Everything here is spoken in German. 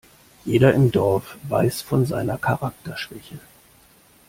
Jeder im Dorf weiß von seiner Charakterschwäche.